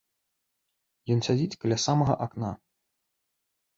Ён сядзіць каля самага акна.